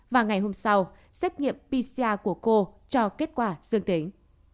và ngày hôm sau xét nghiệm pcr của cô cho kết quả dương tính